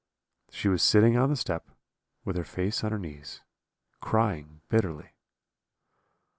She was sitting on the step, with her face on her knees, crying bitterly.